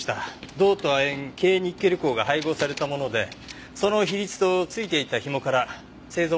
銅と亜鉛珪ニッケル鉱が配合されたものでその比率と付いていたひもから製造元を調べています。